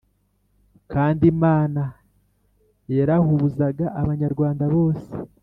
kandi imana yarahuzaga abanyarwanda bose: